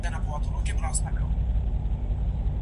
که استاد په املا کي له حکایتونو ګټه واخلي.